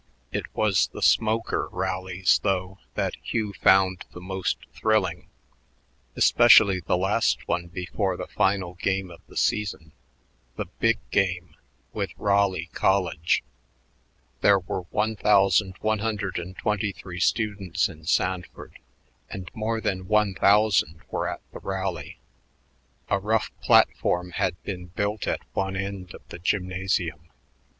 It was the smoker rallies, though, that Hugh found the most thrilling, especially the last one before the final game of the season, the "big game" with Raleigh College. There were 1123 students in Sanford, and more than 1000 were at the rally. A rough platform had been built at one end of the gymnasium.